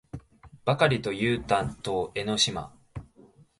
ばかりとゆうたと江の島